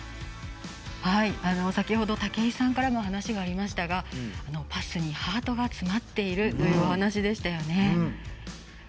先ほど、武井さんからも話がありましたがパスにハートが詰まっているというお話でしたよね。